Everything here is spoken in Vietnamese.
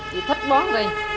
chị thích bón rơi